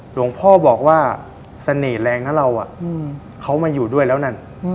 หลวงพ่อบอกว่าเสน่ห์แรงนะเราเขามาอยู่ด้วยแล้วนั่น